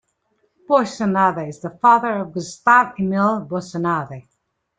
Boissonade is the father of Gustave Emile Boissonade.